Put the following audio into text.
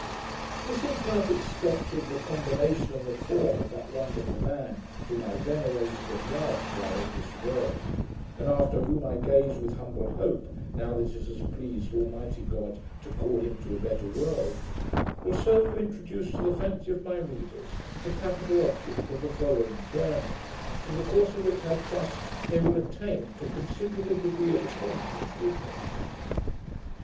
This imperfect sketch of 'the combination and the form' of that Wonderful Man, whom I venerated and loved while in this world, and after whom I gaze with humble hope, now that it has pleased Almighty God to call him to a better world, will serve to introduce to the fancy of my readers the capital object of the following journal, in the course of which I trust they will attain to a considerable degree of acquaintance with him.